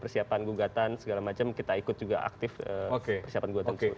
persiapan gugatan segala macam kita ikut juga aktif persiapan gugatan tersebut